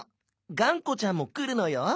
がんこちゃんもくるのよ。